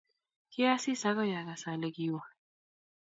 Kiasis agoi agas ale kiwo